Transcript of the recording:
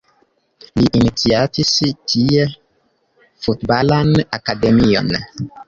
Li iniciatis tie Futbalan Akademion.